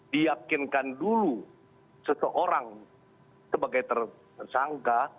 diyakinkan dulu seseorang sebagai tersangka